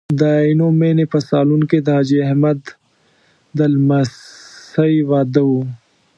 د عینومېنې په سالون کې د حاجي احمد د لمسۍ واده و.